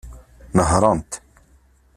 Nehṛent.